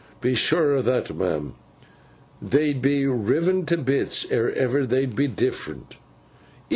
Be sure o' that, ma'am. They'd be riven to bits, ere ever they'd be different.